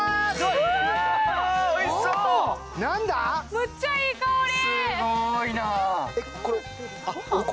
むっちゃいい香り！